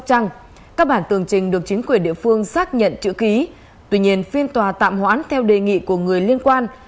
các bản tường trình được chính quyền địa phương xác nhận chữ ký tuy nhiên phiên tòa tạm hoãn theo đề nghị của người liên quan